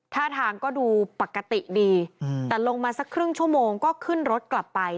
ท่าทางก็ดูปกติดีแต่ลงมาสักครึ่งชั่วโมงก็ขึ้นรถกลับไป